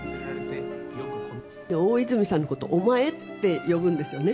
大泉さんのこと、お前って呼ぶんですよね。